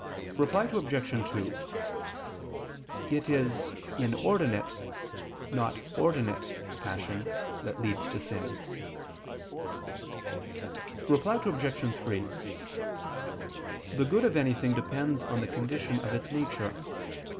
Reply Obj. 2: It is inordinate, not ordinate, passion that leads to sin. Reply Obj. 3: The good of anything depends on the condition of its nature.